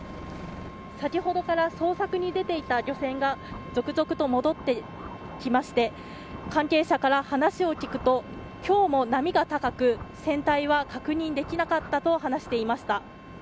先ほどから捜索に出ていた漁船が続々と戻ってきまして関係者から話を聞くと今日も波が高く船体は確認できなかったと話していました。